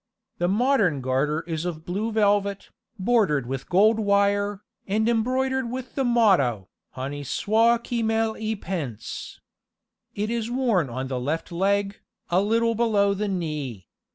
The modern garter is of blue velvet, bordered with gold wire, and embroidered with the motto, "Honi soit qui mal y pense." It is worn on the left leg, a little below the knee.